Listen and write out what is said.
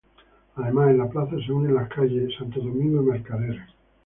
Además, en la plaza se unen las calles Santo Domingo y Mercaderes.